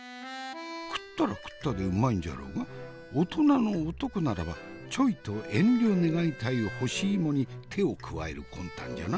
食ったら食ったでうまいんじゃろうが大人の男ならばちょいと遠慮願いたい干し芋に手を加える魂胆じゃな。